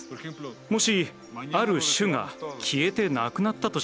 もしある種が消えてなくなったとしましょう。